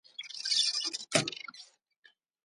احمده! چېرې يې؟ بالکل د اينځر ګل در څخه جوړ شوی دی.